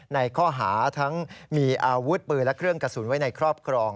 ในข้อหาทั้งมีอาวุธปืนและเครื่องกระสุนไว้ในครอบครอง